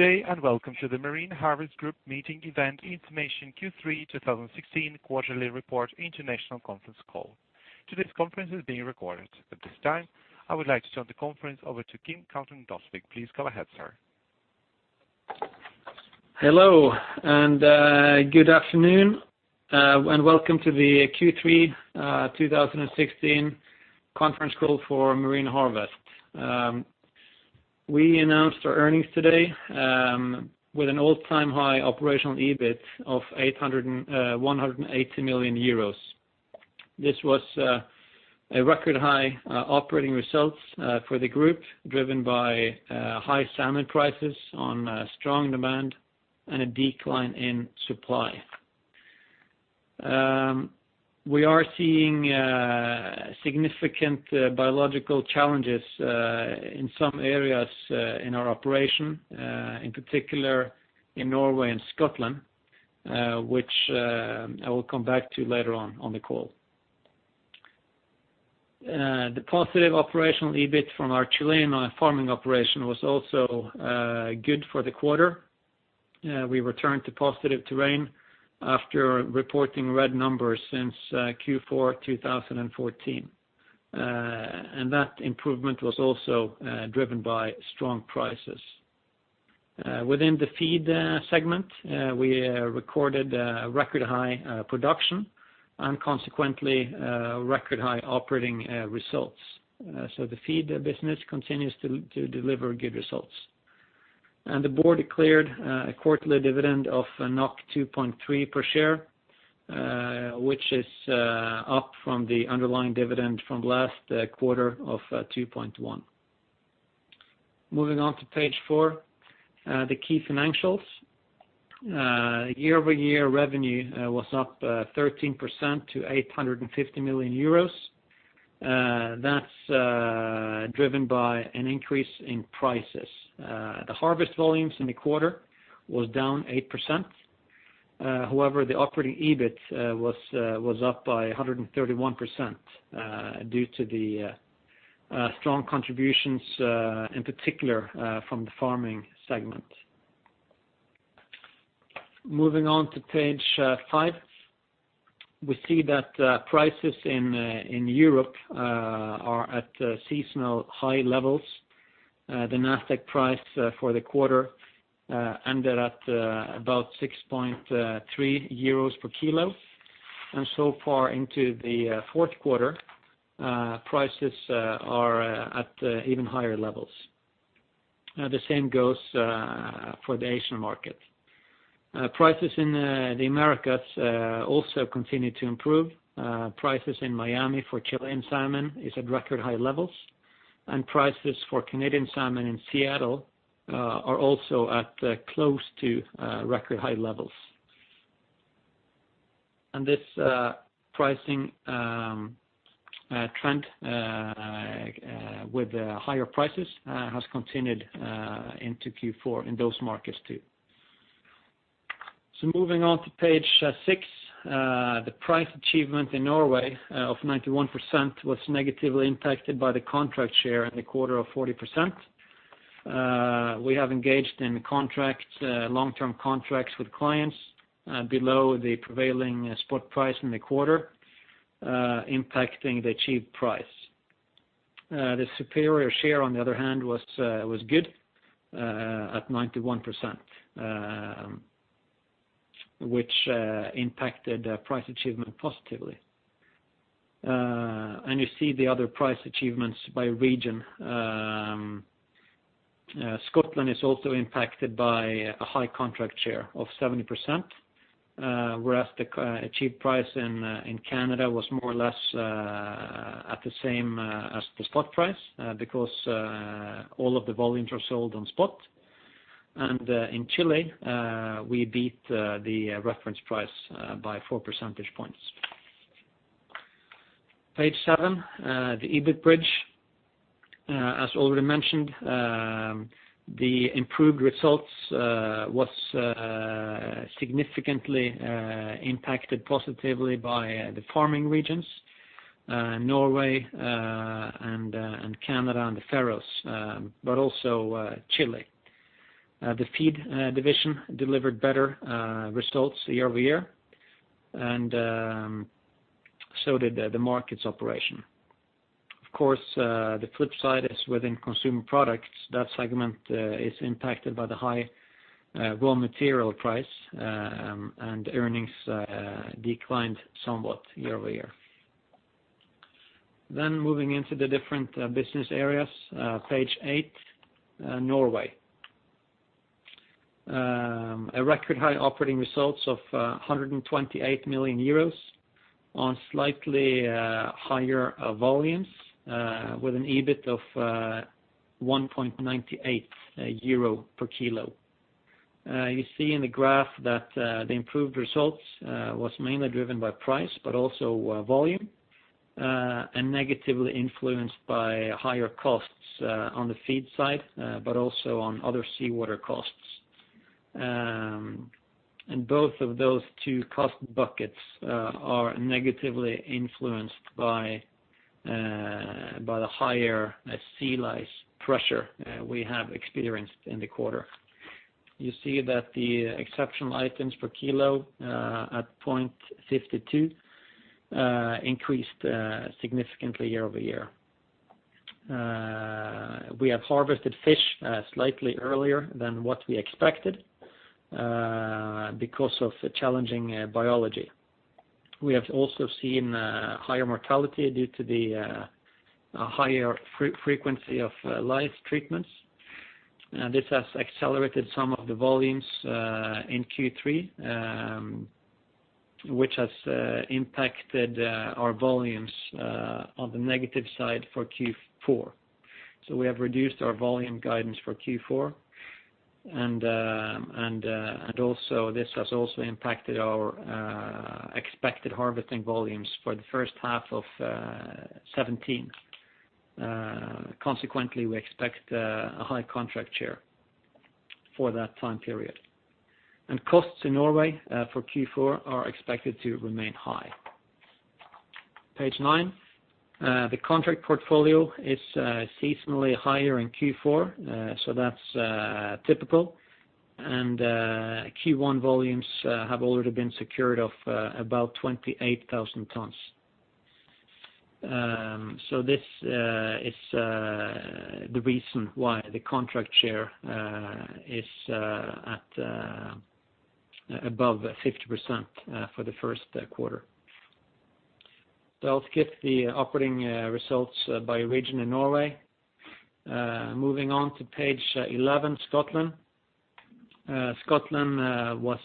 Good day. Welcome to the Marine Harvest Group Meeting Event Information Q3 2016 quarterly report international conference call. Today's conference is being recorded. At this time, I would like to turn the conference over to Kim Galtung Døsvig. Please go ahead, sir. Hello, and good afternoon. Welcome to the Q3 2016 conference call for Marine Harvest. We announced our earnings today with an all-time high operational EBIT of 880 million euros. This was a record-high operating result for the group, driven by high salmon prices on strong demand and a decline in supply. We are seeing significant biological challenges in some areas in our operation, in particular in Norway and Scotland, which I will come back to later on the call. The positive operational EBIT from our Chilean farming operation was also good for the quarter. We returned to positive terrain after reporting red numbers since Q4 2014. That improvement was also driven by strong prices. Within the feed segment, we recorded a record-high production and consequently, record-high operating results. The feed business continues to deliver good results. The board declared a quarterly dividend of 2.3 per share, which is up from the underlying dividend from last quarter of 2.1. Moving on to page four, the key financials. Year-over-year revenue was up 13% to 850 million euros. That's driven by an increase in prices. The harvest volumes in the quarter were down 8%. However, the operating EBIT was up by 131% due to the strong contributions, in particular, from the farming segment. Moving on to page five. We see that prices in Europe are at seasonal high levels. The NASDAQ price for the quarter ended at about 6.3 euros per kilo, and so far into the fourth quarter, prices are at even higher levels. The same goes for the Asian market. Prices in the Americas also continue to improve. Prices in Miami for Chilean salmon are at record high levels, prices for Canadian salmon in Seattle are also at close to record high levels. This pricing trend with higher prices has continued into Q4 in those markets, too. Moving on to page six, the price achievement in Norway of 91% was negatively impacted by the contract share in the quarter of 40%. We have engaged in long-term contracts with clients below the prevailing spot price in the quarter, impacting the achieved price. The superior share, on the other hand, was good at 91%, which impacted price achievement positively. You see the other price achievements by region. Scotland is also impacted by a high contract share of 70%, whereas the achieved price in Canada was more or less the same as the spot price because all of the volumes were sold on spot, and in Chile we beat the reference price by 4 percentage points. Page seven, the EBIT bridge. As already mentioned, the improved results were significantly impacted positively by the farming regions Norway and Canada and the Faroes. Also Chile. The feed division delivered better results year-over-year. So did the markets operation. Of course, the flip side is within consumer products. That segment is impacted by the high raw material price. Earnings declined somewhat year-over-year. Moving into the different business areas, page eight, Norway. A record-high operating result of 128 million euros on slightly higher volumes with an EBIT of 1.98 euro per kilo. You see in the graph that the improved results were mainly driven by price but also volume, negatively influenced by higher costs on the feed side, but also on other seawater costs. Both of those two cost buckets are negatively influenced by the higher sea lice pressure we have experienced in the quarter. You see that the exceptional items per kilo at 0.52 increased significantly year-over-year. We have harvested fish slightly earlier than what we expected because of the challenging biology. We have also seen higher mortality due to the higher frequency of lice treatments. This has accelerated some of the volumes in Q3, which has impacted our volumes on the negative side for Q4. We have reduced our volume guidance for Q4, and this has also impacted our expected harvesting volumes for the first half of 2017. Consequently, we expect a high contract share for that time period. Costs in Norway for Q4 are expected to remain high. Page nine. The contract portfolio is seasonally higher in Q4, so that is typical. Q1 volumes have already been secured of about 28,000 tons. This is the reason why the contract share is above 50% for the first quarter. That was quick, the operating results by region in Norway. Moving on to page 11, Scotland. Scotland was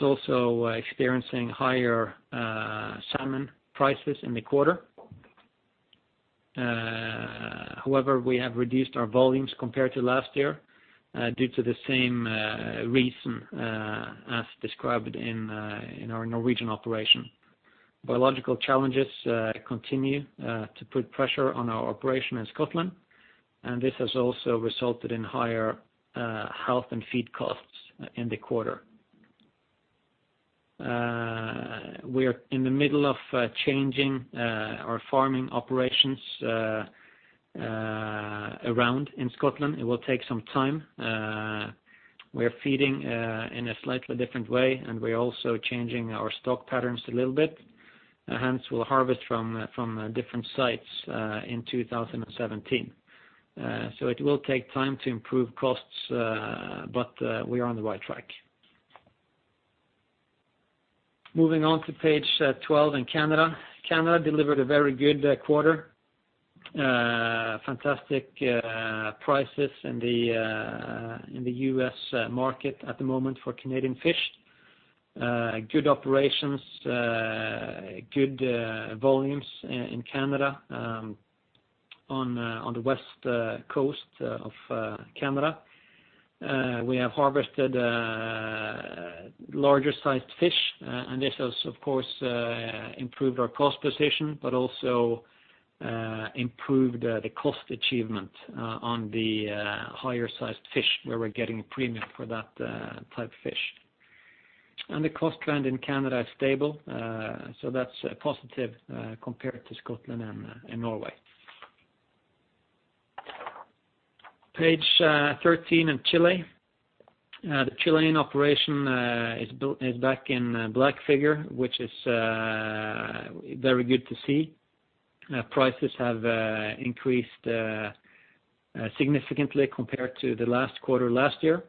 also experiencing higher salmon prices in the quarter. However, we have reduced our volumes compared to last year due to the same reason as described in our Norwegian operation. Biological challenges continue to put pressure on our operation in Scotland, and this has also resulted in higher health and feed costs in the quarter. We are in the middle of changing our farming operations around in Scotland. It will take some time. We are feeding in a slightly different way, and we're also changing our stock patterns a little bit. And hence, we'll harvest from different sites in 2017. It will take time to improve costs, but we are on the right track. Moving on to page 12 in Canada. Canada delivered a very good quarter. Fantastic prices in the U.S. market at the moment for Canadian fish. Good operations, good volumes in Canada, on the west coast of Canada. We have harvested larger sized fish, and this has, of course, improved our cost position, but also improved the cost achievement on the higher sized fish where we're getting a premium for that type of fish. The cost trend in Canada is stable, so that's positive compared to Scotland and Norway. Page 13 in Chile. The Chilean operation is back in black figure, which is very good to see. Prices have increased significantly compared to the last quarter last year.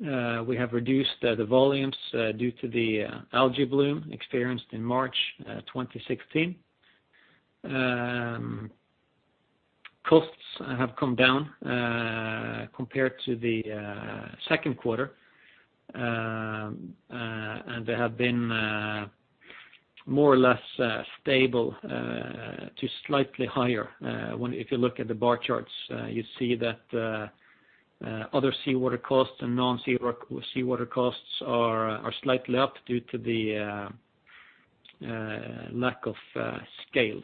We have reduced the volumes due to the algae bloom experienced in March 2016. Costs have come down compared to the second quarter. They have been more or less stable to slightly higher. If you look at the bar charts, you see that other seawater costs and non-seawater costs are slightly up due to the lack of scale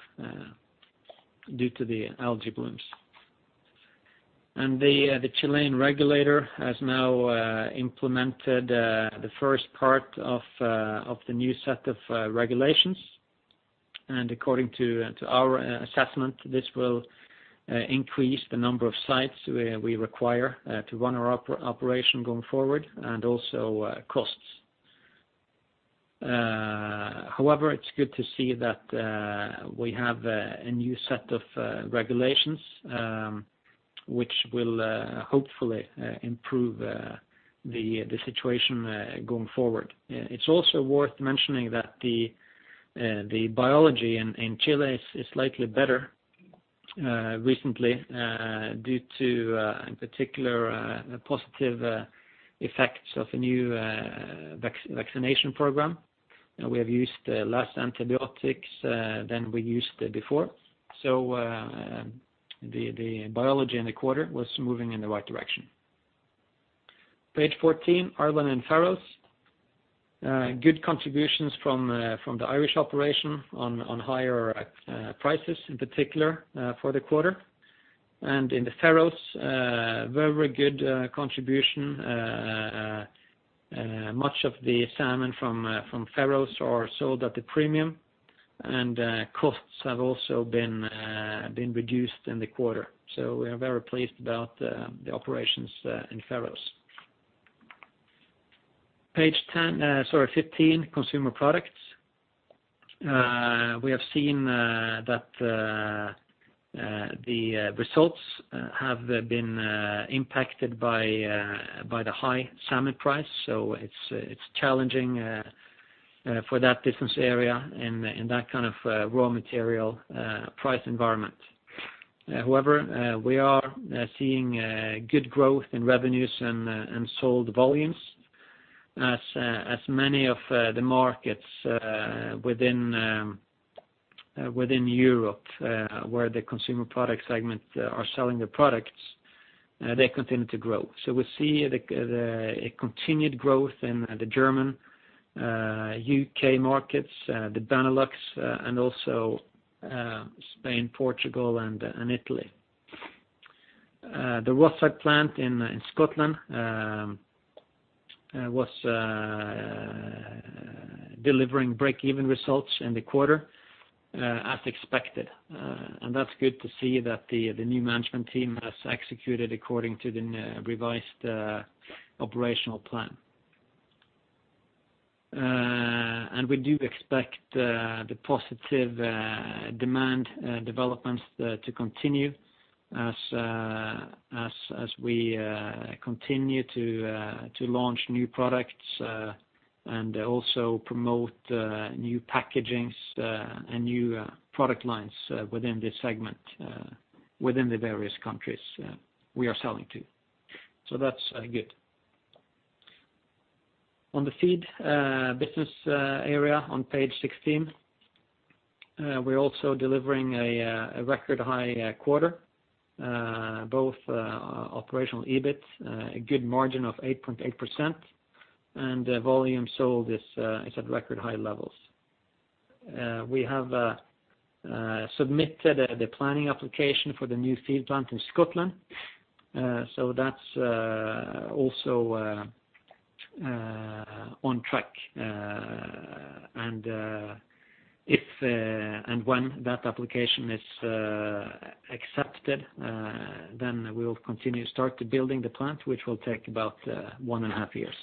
due to the algae blooms. The Chilean regulator has now implemented the first part of the new set of regulations. According to our assessment, this will increase the number of sites we require to run our operation going forward and also costs. However, it's good to see that we have a new set of regulations which will hopefully improve the situation going forward. It's also worth mentioning that the biology in Chile is slightly better recently due to, in particular, the positive effects of a new vaccination program. We have used less antibiotics than we used before. The biology in the quarter was moving in the right direction. Page 14, Ireland and Faroes. Good contributions from the Irish operation on higher prices, in particular, for the quarter. In the Faroes, very good contribution. Much of the salmon from Faroes are sold at a premium, and costs have also been reduced in the quarter. We are very pleased about the operations in Faroes. Page 15, consumer products. We have seen that the results have been impacted by the high salmon price. It's challenging for that business area in that kind of raw material price environment. However, we are seeing good growth in revenues and sold volumes as many of the markets within Europe where the consumer product segments are selling their products, they continue to grow. We see a continued growth in the German, U.K. markets, the Benelux, and also Spain, Portugal, and Italy. The Rosyth plant in Scotland was delivering break-even results in the quarter as expected. That's good to see that the new management team has executed according to the revised operational plan. We do expect the positive demand developments to continue as we continue to launch new products and also promote new packagings and new product lines within the segment within the various countries we are selling to. That's good. On the feed business area on page 16, we're also delivering a record-high quarter, both operational EBIT, a good margin of 8.8%, and volume sold is at record high levels. We have submitted the planning application for the new feed plant in Scotland. That's also on track and when that application is accepted then we'll continue to start the building the plant, which will take about one and a half years.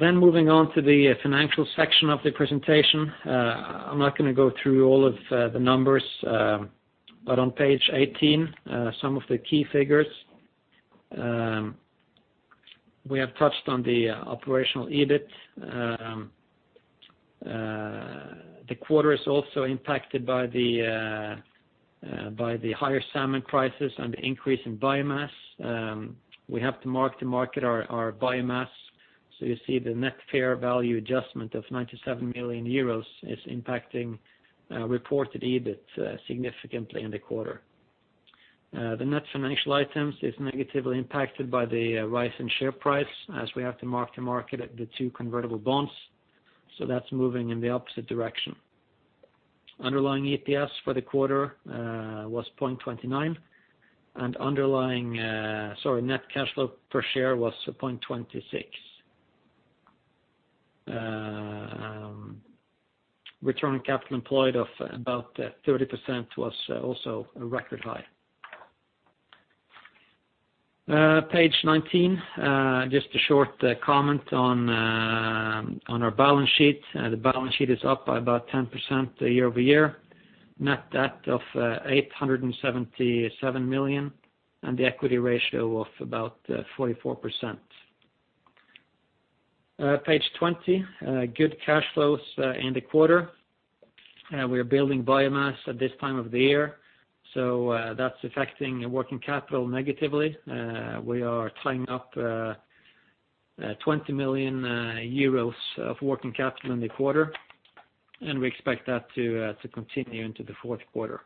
Moving on to the financial section of the presentation. I'm not going to go through all of the numbers but on page 18, some of the key figures. We have touched on the operational EBIT. The quarter is also impacted by the higher salmon prices and the increase in biomass. We have to mark-to-market our biomass. You see the net fair value adjustment of 97 million euros is impacting reported EBIT significantly in the quarter. The net financial items is negatively impacted by the rise in share price as we have to mark-to-market the two convertible bonds. That's moving in the opposite direction. Underlying EPS for the quarter was 0.29 and net cash flow per share was 0.26. Return on capital employed of about 30% was also a record high. Page 19, just a short comment on our balance sheet. The balance sheet is up by about 10% year-over-year. Net debt of 877 million and the equity ratio of about 44%. Page 20, good cash flows in the quarter. We're building biomass at this time of the year, that's affecting working capital negatively. We are tying up 20 million euros of working capital in the quarter, we expect that to continue into the fourth quarter.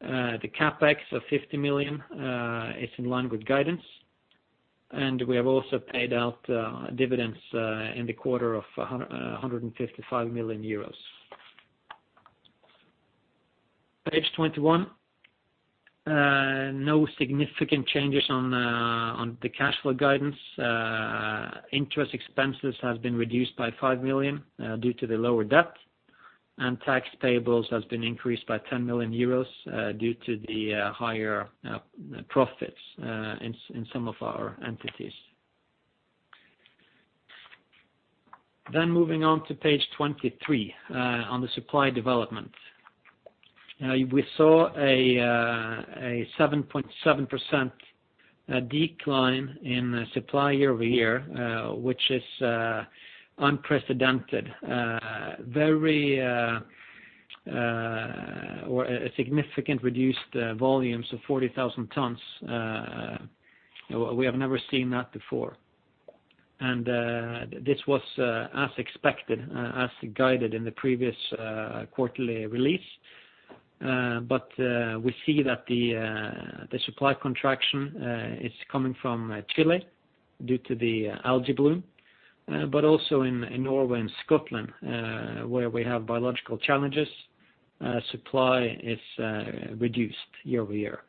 The CapEx of 50 million is in line with guidance, and we have also paid out dividends in the quarter of 155 million euros. Page 21, no significant changes on the cash flow guidance. Interest expenses have been reduced by 5 million due to the lower debt, and tax payables has been increased by 10 million euros due to the higher profits in some of our entities. Then moving on to page 23 on the supply development. We saw a 7.7% decline in supply year-over-year, which is unprecedented. Very, a significant reduced volumes of 40,000 tons. We have never seen that before. This was as expected, as guided in the previous quarterly release. But we see that the supply contraction is coming from Chile due to the algae bloom, also in Norway and Scotland, where we have biological challenges, supply is reduced year-over-year.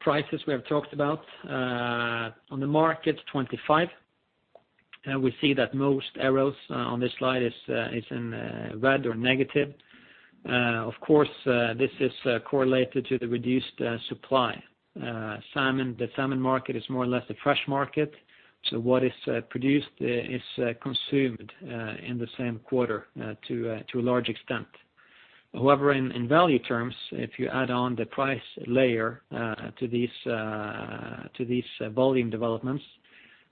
Prices we have talked about on the market. 25, and we see that most arrows on this slide is in red or negative. Of course, this is correlated to the reduced supply. The salmon market is more or less a fresh market. What is produced is consumed in the same quarter to a large extent. However, in value terms, if you add on the price layer to these volume developments,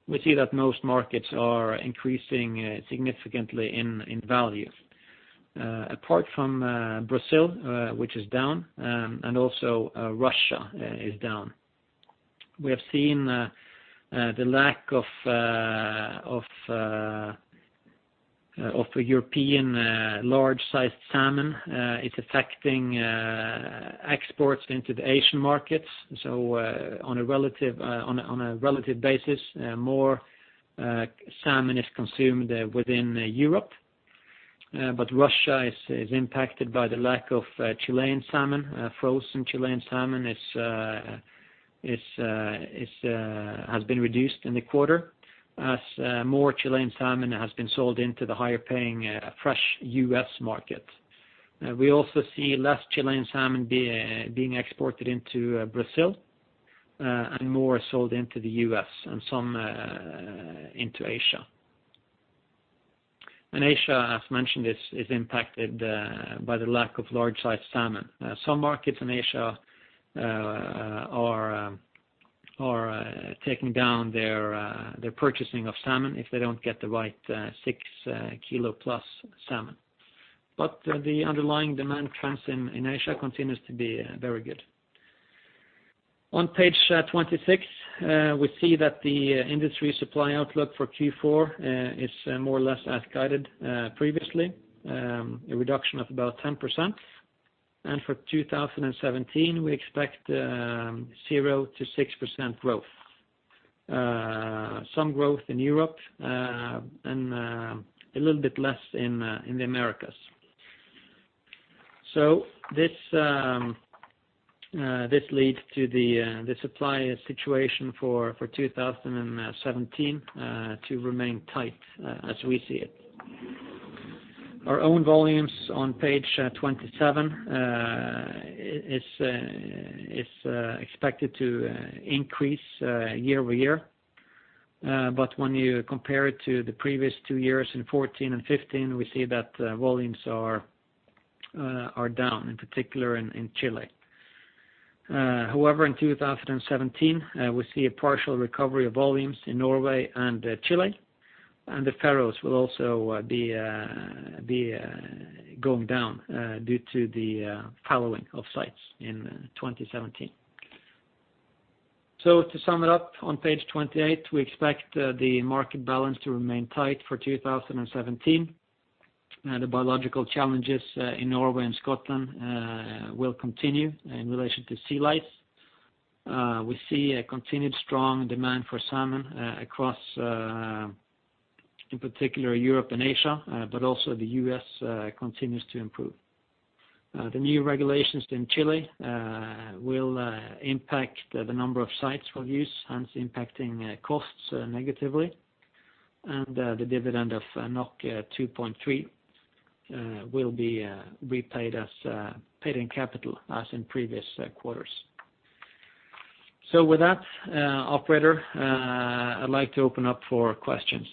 we see that most markets are increasing significantly in value. Apart from Brazil, which is down, and also Russia is down. We have seen the lack of European large-sized salmon is affecting exports into the Asian markets. On a relative basis, more salmon is consumed within Europe. Russia is impacted by the lack of Chilean salmon, frozen Chilean salmon has been reduced in the quarter as more Chilean salmon has been sold into the higher-paying fresh U.S. market. We also see less Chilean salmon being exported into Brazil and more sold into the U.S. and some into Asia. Asia, as mentioned, is impacted by the lack of large-sized salmon. Some markets in Asia are taking down their purchasing of salmon if they don't get the right 6+ kg salmon. The underlying demand trends in Asia continues to be very good. On page 26, we see that the industry supply outlook for Q4 is more or less as guided previously, a reduction of about 10%. For 2017, we expect 0%-6% growth. Some growth in Europe and a little bit less in the Americas. This leads to the supply situation for 2017 to remain tight as we see it. Our own volumes on page 27, it's expected to increase year-over-year. When you compare it to the previous two years in 2014 and 2015, we see that volumes are down, in particular in Chile. However, in 2017, we see a partial recovery of volumes in Norway and Chile, and the Faroes will also be going down due to the fallowing of sites in 2017. To sum it up on page 28, we expect the market balance to remain tight for 2017. The biological challenges in Norway and Scotland will continue in relation to sea lice. We see a continued strong demand for salmon across, in particular Europe and Asia, but also the U.S. continues to improve. The new regulations in Chile will impact the number of sites for use, hence impacting costs negatively. The dividend of 2.3 will be paid in capital as in previous quarters. With that, Operator, I'd like to open up for questions.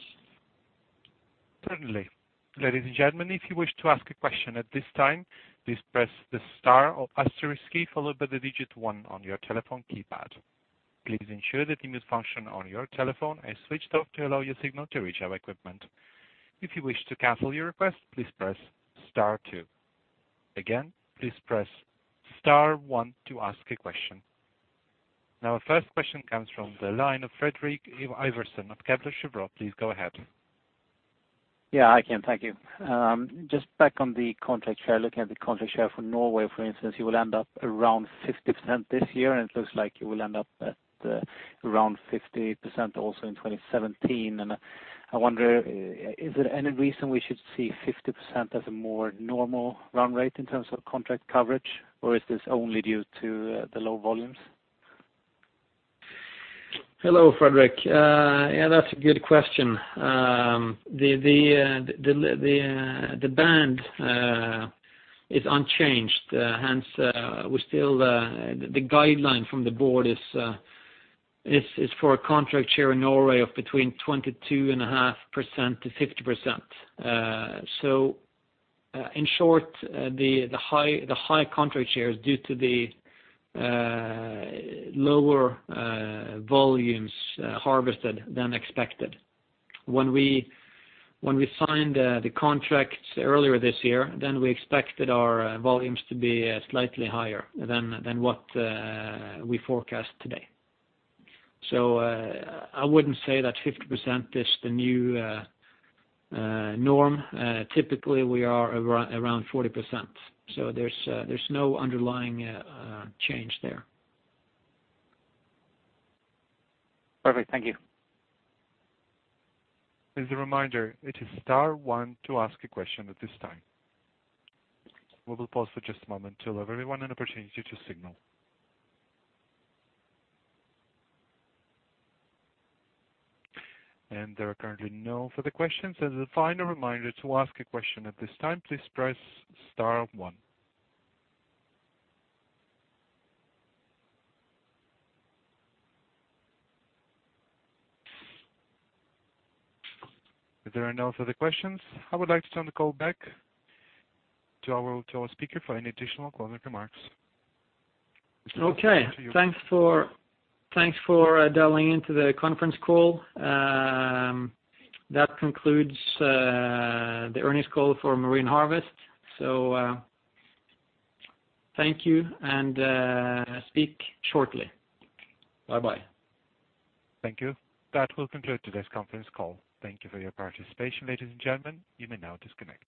Certainly. Ladies and gentlemen, if you wish to ask a question at this time, please press the star or asterisk key followed by the digit one on your telephone keypad. Please ensure the mute function on your telephone are switched off to allow your signal to reach our equipment. If you wish to cancel your request, please press star two. Again, please press star one to ask a question. Now, our first question comes from the line of Fredrik Ivarsson of Kepler Cheuvreux. Please go ahead. Yeah, I can. Thank you. Just back on the contract share, looking at the contract share for Norway, for instance, you will end up around 50% this year, and it looks like you will end up at around 50% also in 2017. I wonder, is there any reason we should see 50% as a more normal run rate in terms of contract coverage, or is this only due to the low volumes? Hello, Fredrik. Yeah, that's a good question. The band is unchanged. The guideline from the board is for a contract share in Norway of between 22.5%-50%. In short, the high contract share is due to the lower volumes harvested than expected. When we signed the contracts earlier this year, we expected our volumes to be slightly higher than what we forecast today. I wouldn't say that 50% is the new norm. Typically, we are around 40%. There's no underlying change there. Perfect. Thank you. As a reminder, it is star one to ask a question at this time. We will pause for just a moment to allow everyone an opportunity to signal. There are currently no further questions. As a final reminder to ask a question at this time, please press star one. If there are no further questions, I would like to turn the call back to our speaker for any additional closing remarks. Okay. Thanks for dialing into the conference call. That concludes the earnings call for Marine Harvest. Thank you, and speak shortly. Bye-bye. Thank you. That will conclude today's conference call. Thank you for your participation. Ladies and gentlemen, you may now disconnect.